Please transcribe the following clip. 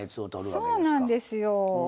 そうなんですよ。